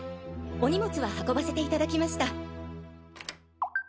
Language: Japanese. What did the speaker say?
お荷物は運ばせていただきました。